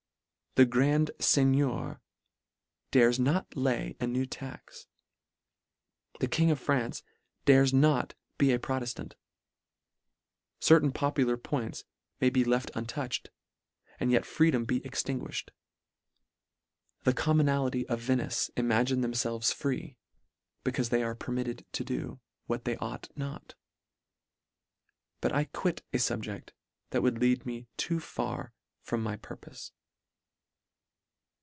The grand Seignior dares not lay a new tax. The King of France dares not be a protectant. Certain popular points may be left untouched, and yet freedom be extinguished. The commonality of Venice i magine themfelves free, becaufe they are permitted to do, what they ought not. But I quit a fubject, that would lead me too far from my purpofe.